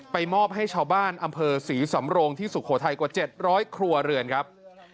มอบให้ชาวบ้านอำเภอศรีสำโรงที่สุโขทัยกว่า๗๐๐ครัวเรือนครับ